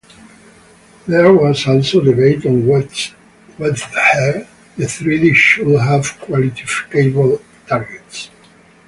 There was also debate on whether the treaty should have quantifiable targets.